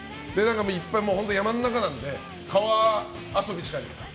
もういっぱい、本当山の中なので、川遊びしたり。